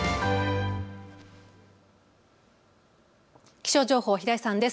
気象情報は平井さんです。